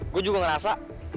gue juga ngerasa